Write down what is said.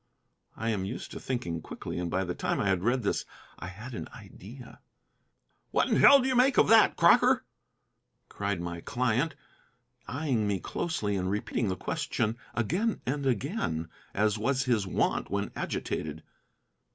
I am used to thinking quickly, and by the time I had read this I had an idea. "What in hell do you make of that, Crocker?" cried my client, eyeing me closely and repeating the question again and again, as was his wont when agitated.